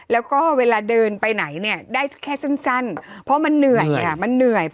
แล้วก็เวลาเดินไปไหนเนี่ยได้แค่สั้นเพราะมันเหนื่อยค่ะมันเหนื่อย